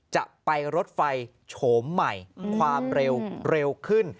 จะไปรถไฟโฉมใหม่ความเร็วเร็วขึ้น